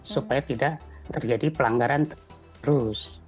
supaya tidak terjadi pelanggaran terus